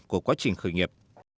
của quá trình khởi nghiệp